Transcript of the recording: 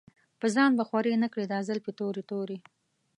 پۀ ځان به خوَرې نۀ کړې دا زلفې تورې تورې